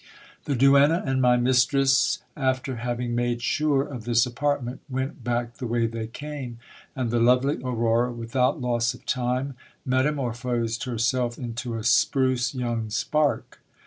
The duenna and my mistress, after having made sure of this apartment, went back the way they came, and the lovely Aurora, without loss of time, metamor phosed herself into a spruce young spark.